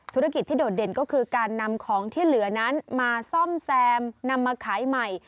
ธุรกิจที่โดดเด่นก็คือการนำของที่เหลือนั้นมาซ่อมแซมนำมาขายใหม่